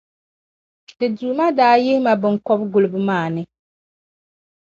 Ti Duuma daa yihi ma biŋkɔbigulibo maa ni.